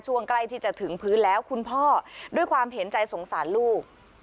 ใกล้ที่จะถึงพื้นแล้วคุณพ่อด้วยความเห็นใจสงสารลูก